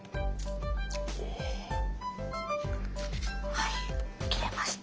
はい切れました。